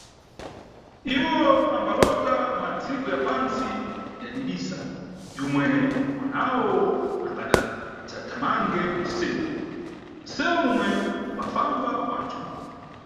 Iwo ambalota Madziko ya pantsi ya didisa, yomwe mwanawo angadadzathamange mu nseu, mu mseu momwe mumbafamba wanthu.